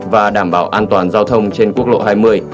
và đảm bảo an toàn giao thông trên quốc lộ hai mươi